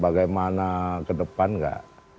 bagaimana ke depan enggak